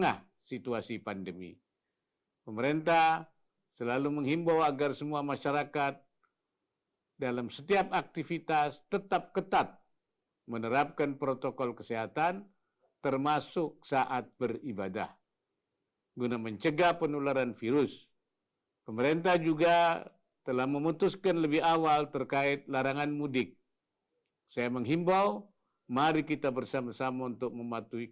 assalamualaikum warahmatullahi wabarakatuh